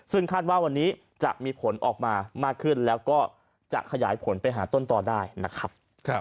ซึ่งคาดว่าวันนี้จะมีผลออกมามากขึ้นแล้วก็จะขยายผลไปหาต้นต่อได้นะครับ